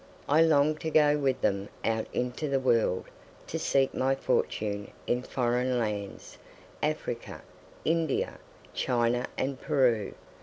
I longed to go with them out into the world to seek my fortune in foreign lands—Africa, India, China and Peru!